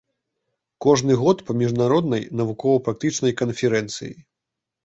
Кожны год па міжнароднай навукова-практычнай канферэнцыі.